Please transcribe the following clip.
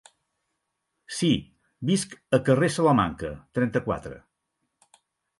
Sí, visc a carrer Salamanca, trenta-quatre.